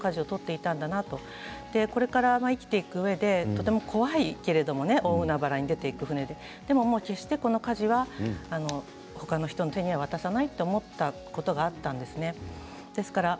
これから生きていくうえでとても怖いけれど大海原に出ていく船でこのかじは決して他の人の手には渡さないと思ったことがあったんですね。